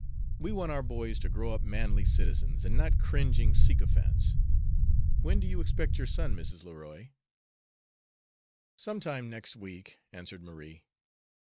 We want our boys to grow up manly citizens, and not cringing sycophants. When do you expect your son, Mrs. Leroy?" "Some time next week," answered Marie.